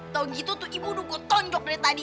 tau gitu tuh ibu udah gue tongkok dari tadi